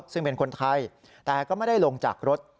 ซึ่งเป็นคนไทยแต่ก็ไม่ได้ลงจากรถ